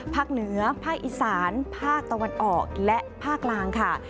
เหนือภาคอีสานภาคตะวันออกและภาคกลางค่ะ